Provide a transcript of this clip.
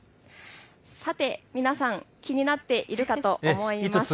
さて皆さん、気になっているかと思います。